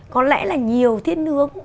có lẽ là nhiều thiết nướng